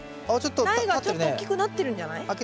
苗がちょっと大きくなってるんじゃない？